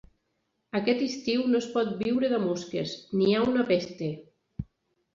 Aquest estiu no es pot viure de mosques: n'hi ha una pesta.